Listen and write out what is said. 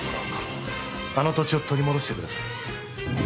あの土地を取り戻してください。